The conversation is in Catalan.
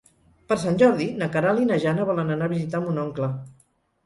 Per Sant Jordi na Queralt i na Jana volen anar a visitar mon oncle.